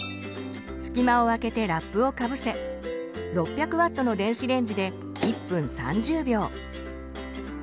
隙間をあけてラップをかぶせ６００Ｗの電子レンジで１分３０秒。